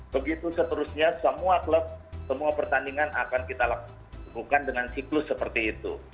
begitu seterusnya semua klub semua pertandingan akan kita lakukan dengan siklus seperti itu